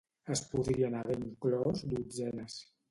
Es podrien haver inclòs dotzenes.